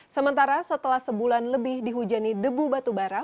sementara setelah sebulan lebih dihujani debu batu bara